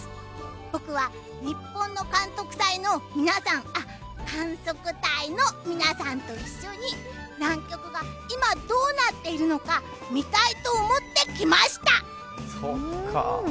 僕は日本の観測隊の皆さんと一緒に南極が今どうなっているのか見たいと思ってきました。